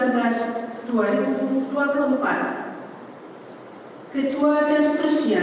kedua dan seterusnya